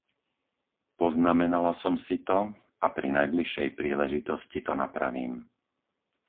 Poznamenala som si to a pri najbližšej príležitosti to napravím.